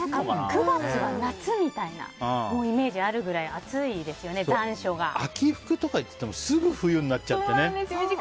９月は夏みたいなイメージあるくらい秋服とかいっててもすぐ冬になっちゃってね。